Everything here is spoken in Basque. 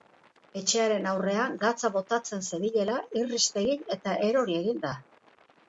Etxearen aurrean gatza botatzen zebilela, irrist egin eta erori egin da.